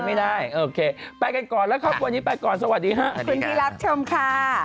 ไม่ได้โอเคไปกันก่อนแล้วครับวันนี้ไปก่อนสวัสดีค่ะขอบคุณที่รับชมค่ะ